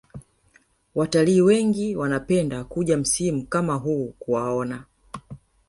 Watalii wengi wanapenda kuja msimu kama huu kuwaona